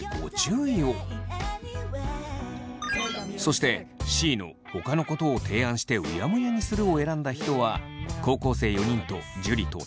そしてＣの「他のことを提案してうやむやにする」を選んだ人は高校生４人と樹と大我。